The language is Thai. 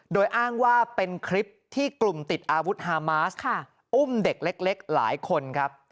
โดยอ้างว่าเป็นคลิปที่กลุ่มติดอาวุธฮามาสอุ้มเด็กเล็กหลายคนครับ